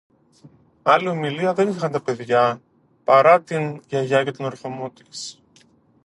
Άλλη ομιλία δεν είχαν τα παιδιά παρά τη Γιαγιά και τον ερχομό της